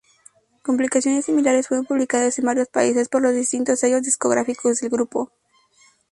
Compilaciones similares fueron publicadas en varios países por los distintos sellos discográficos del grupo.